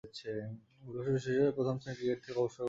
ঐ বছর শেষে প্রথম-শ্রেণীর ক্রিকেট থেকে অবসর গ্রহণ করেন।